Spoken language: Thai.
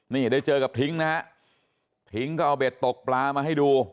นี่ได้เจอกับทิ้งนะฮะทิ้งก็เอาเบ็ดตกปลามาให้ดู